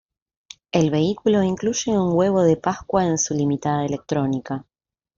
El vehículo incluye un huevo de pascua en su limitada electrónica.